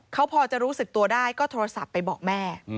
เขาพอจะรู้สึกตัวได้ก็โทรศัพท์ไปบอกแม่